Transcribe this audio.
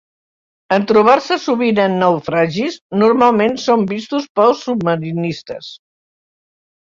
En trobar-se sovint en naufragis, normalment són vistos pels submarinistes.